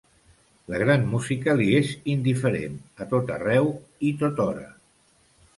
La gran música li és indiferent, a tot arreu i tothora.